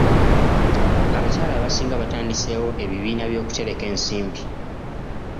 Abakyala abasinga batandiseewo ebibiina by'okutereka ensimbi.